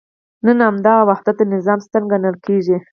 نن همدغه وحدت د نظام ستن ګڼل کېږي.